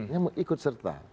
yang ikut serta